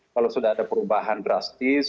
kalau sudah ada perubahan drastis